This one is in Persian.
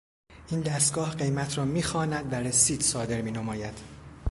این دستگاه قیمت را میخواند و رسید صادر مینماید.